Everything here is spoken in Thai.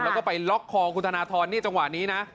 แล้วก็ไปล็อกคอคุณธนทรนี่จังหวะนี้นะ